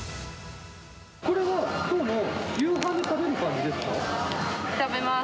これはきょうの夕飯で食べる食べます。